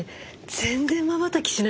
全然まばたきしなくない？